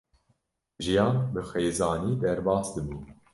Jiyan bi xêzanî derbas dibû.